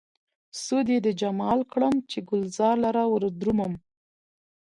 سود يې د جمال کړم، چې ګلزار لره ودرومم